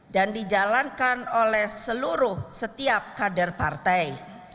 dan dijalankan oleh seluruh setiap kader partai